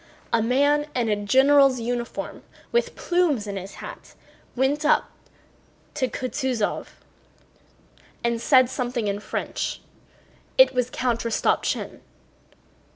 A man in a general's uniform with plumes in his hat went up to Kutúzov and said something in French. It was Count Rostopchín.